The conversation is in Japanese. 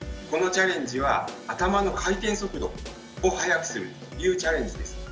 このチャレンジは頭の回転速度を速くするというチャレンジです。